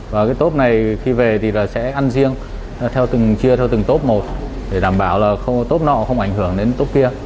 và cái tốp này khi về thì sẽ ăn riêng chia theo từng tốp một để đảm bảo tốp nọ không ảnh hưởng đến tốp kia